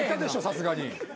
さすがに。